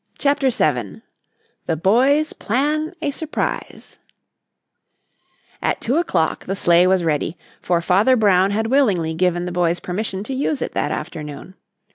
CHAPTER VII THE BOYS PLAN A SURPRISE At two o'clock the sleigh was ready, for Father Brown had willingly given the boys permission to use it that afternoon.